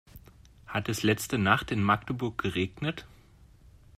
Hat es letzte Nacht in Magdeburg geregnet?